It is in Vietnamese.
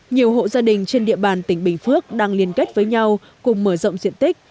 nhiều hộ gia đình trên địa bàn tỉnh bình phước đang liên kết với nhau cùng mở rộng diện tích